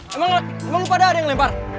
emang lo pada ada yang ngelempar